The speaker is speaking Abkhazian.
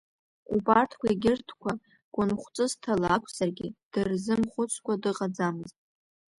Убарҭқәа-егьырҭқәа гәынхәҵысҭала акәзаргьы, дырзымхәыцкәа дыҟаӡамызт.